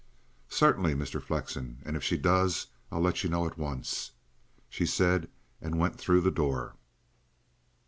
"Certainly, Mr. Flexen; and if she does, I'll let you know at once," she said and went through the door.